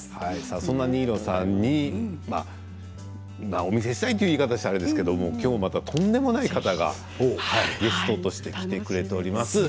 そんな新納さんに今お見せしたいというのはあれですけれど今日は、とんでもない方がゲストとして来てくれております。